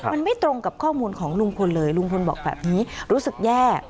มันไม่ตรงกับข้อมูลของลุงพลเลยลุงพลบอกแบบนี้รู้สึกแย่